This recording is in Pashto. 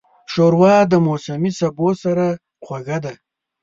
ښوروا د موسمي سبو سره خوږه ده.